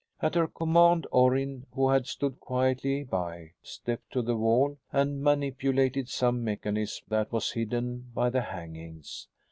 At her command, Orrin, who had stood quietly by, stepped to the wall and manipulated some mechanism that was hidden by the hangings.